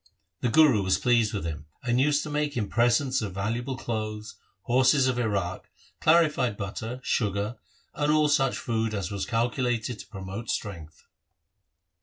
The Guru was pleased with him, and used to make him presents of valuable clothes, horses of Iraq, clarified butter, sugar, and all such food as was calculated to promote strength.